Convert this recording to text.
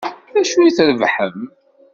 D acu i d-trebḥem?